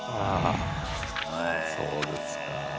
そうですか。